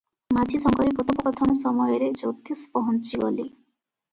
ମାଝି ସଙ୍ଗରେ କଥୋପକଥନ ସମୟରେ ଜ୍ୟୋତିଷ ପହଞ୍ଚିଗଲେ ।